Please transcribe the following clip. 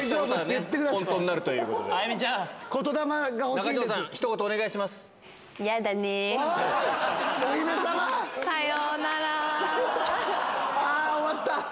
あー、終わった。